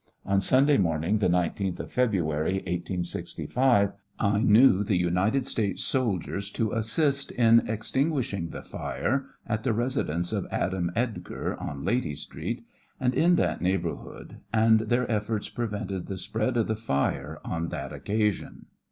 On Sunday morning, the 19th of February, 1865, I knew the United States soldiers to assist in extinguishing the fire at the residence of Adam Edgar, on Lady street, and in that neighborhood, and their efforts prevented the spread of the fire on that occasion.